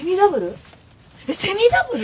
セミダブル！？